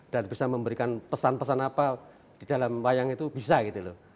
dan bisa memberikan pesan pesan apa di dalam wayang itu bisa gitu loh